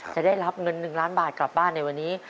จะได้รับเงิน๑ล้านบาทกลับบ้านในวันนี้